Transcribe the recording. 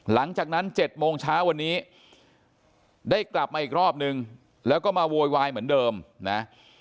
หลังจากนั้น๗โมงเช้าวันนี้ได้กลับมาอีกรอบนึงแล้วก็มาโวยวายเหมือนเดิมนะ